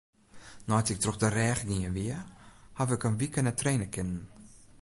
Nei't ik troch de rêch gien wie, haw ik in wike net traine kinnen.